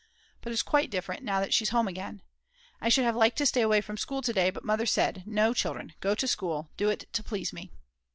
But it's quite different now that she's home again. I should have liked to stay away from school to day, but Mother said: "No, children, go to school, do it to please me."